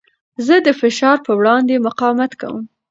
زه د فشار په وړاندې مقاومت کوم.